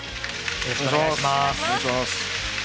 よろしくお願いします。